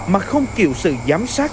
mà không kiểu sự giám sát